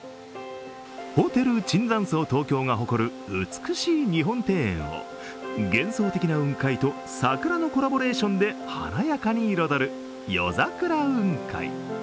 ホテル椿山荘東京が誇る美しい日本庭園を幻想的な雲海と桜のコラボレーションで華やかに彩る夜桜雲海。